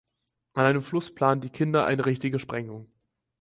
An einem Fluss planen die Kinder eine richtige Sprengung.